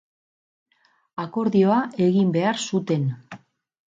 Akordioa egin behar zuten.